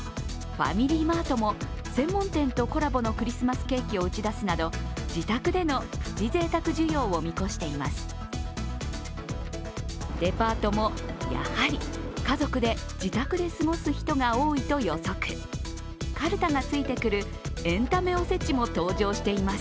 ファミリーマートも専門店とコラボのクリスマスケーキを打ち出すなど自宅でのプチぜいたく需要を見越しています。